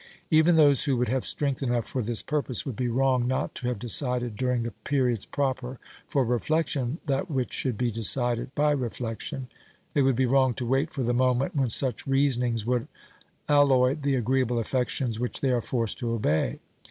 Even those who would have strength enough for this purpose would be wrong not to have decided during the periods proper for reflection that which should be decided by reflection ; they would be wrong to wait for the moment when such reasonings would alloy the agreeable affections which they are forced to obey.